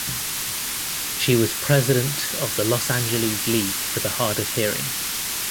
She was President of the Los Angeles League for the Hard of Hearing.